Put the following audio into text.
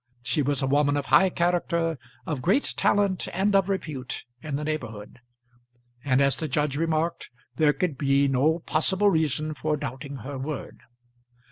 She was a woman of high character, of great talent, and of repute in the neighbourhood; and, as the judge remarked, there could be no possible reason for doubting her word.